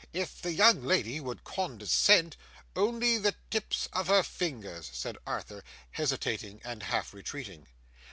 If the young lady would condescent! Only the tips of her fingers,' said Arthur, hesitating and half retreating.